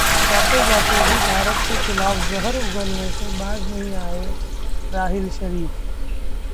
जाते-जाते भी भारत के खिलाफ जहर उगलने से बाज नहीं आए राहिल शरीफ